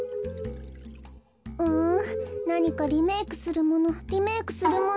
うんなにかリメークするものリメークするもの。